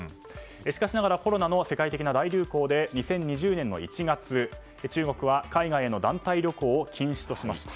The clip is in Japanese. しかしながら、コロナの世界的な大流行で２０２０年の１月中国は海外への団体旅行を禁止としました。